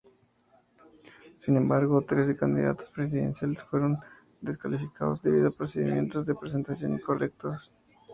Sin embargo, trece candidatos presidenciales fueron descalificados debido a procedimientos de presentación incorrectos.